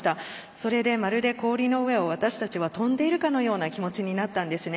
それで、まるで氷の上を私たちは飛んでいるかのような気持ちになったんですね。